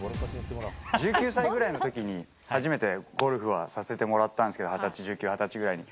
１９歳ぐらいのときに、初めてゴルフはさせてもらったんですけど、２０、１９、２０ぐらいに。